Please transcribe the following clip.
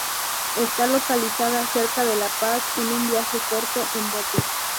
Está localizada cerca de La Paz en un viaje corto en bote.